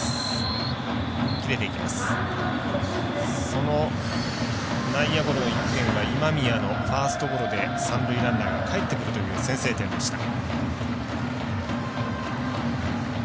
その内野ゴロの１点が今宮のファーストゴロで三塁ランナーがかえってくるという先制点でした。